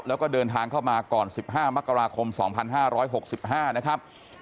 แล้วก็เดินทางเข้ามาก่อน๑๕มกราคม๒๕๖๕นะครับ